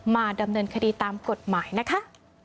มาดำเนินคดีตามกฎหมายนะคะ